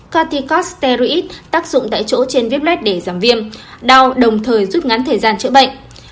corticosteroids tác dụng tại chỗ trên viếp lết để giảm viêm đau đồng thời giúp ngắn thời gian chữa bệnh